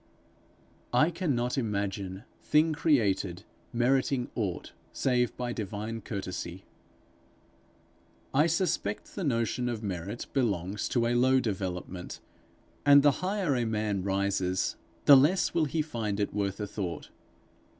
I cannot imagine thing created meriting aught save by divine courtesy. I suspect the notion of merit belongs to a low development, and the higher a man rises, the less will he find it worth a thought.